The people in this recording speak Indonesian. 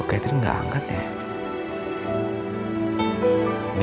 seterlapun balik deh